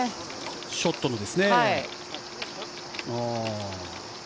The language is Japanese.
ショットのですね。